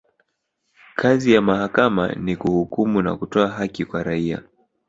kazi ya mahakama ni kuhukumu na kutoa haki kwa raia